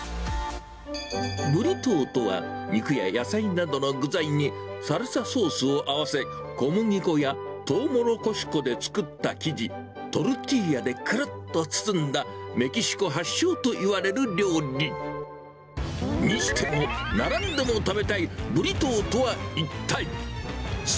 ブリトーとは、肉や野菜などの具材にサルサソースを合わせ、小麦粉やトウモロコシ粉で作った生地、トルティーヤでくるっと包んだメキシコ発祥といわれる料理。にしても、並んでも食べたいブリトーとは一体？